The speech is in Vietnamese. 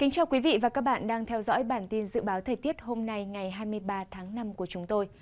cảm ơn các bạn đã theo dõi và ủng hộ cho bản tin dự báo thời tiết hôm nay ngày hai mươi ba tháng năm của chúng tôi